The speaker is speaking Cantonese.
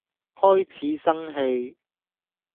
開始生氣